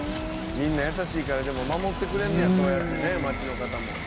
みんな優しいからでも守ってくれんねやそうやってね町の方も。